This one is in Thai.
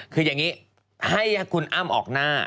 คืออย่างนี้ให้คุณอ้ำออกหน้า